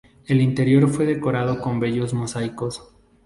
El interior fue decorado con bellos mosaicos.